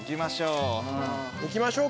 行きましょう。